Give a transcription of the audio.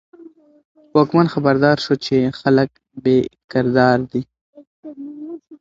واکمن خبردار شو چې خلک بې قرار دي.